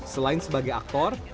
selain sebagai aktor